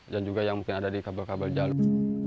juga yang mungkin ada di kabel kabel jalur